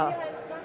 wah ini bakso